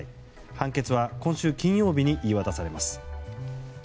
判決は今週金曜日に言い渡されます。